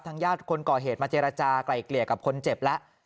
ญาติคนก่อเหตุมาเจรจากลายเกลี่ยกับคนเจ็บแล้ว